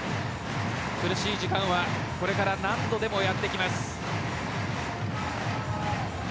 苦しい時間はこれから何度でもやってきます。